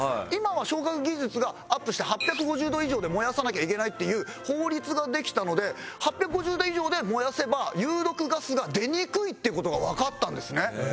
今は焼却技術がアップして８５０度以上で燃やさなきゃいけないっていう法律ができたので８５０度以上で燃やせば有毒ガスが出にくいって事がわかったんですね。